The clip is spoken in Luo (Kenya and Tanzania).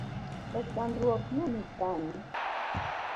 To chandruok ne ni kanye?